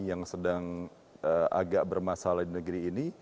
yang sedang agak bermasalah di negeri ini